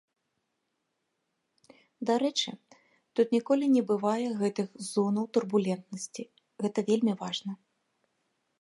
Дарэчы, тут ніколі не бывае гэтых зонаў турбулентнасці, гэта вельмі важна.